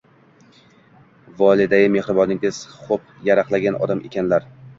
Volidai mehriboningiz xo‘p yarlaqagan odam ekanlar.